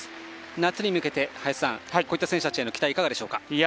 夏に向けてこういった選手たちへ期待はいかがですか？